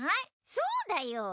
そうだよ。